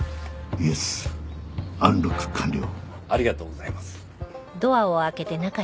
ありがとうございます。